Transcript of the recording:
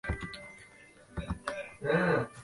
语料库语言学的语言研究。